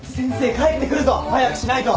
帰ってくるぞ早くしないと！